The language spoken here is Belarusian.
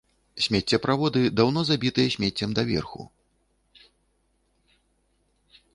Смеццеправоды даўно забітыя смеццем даверху.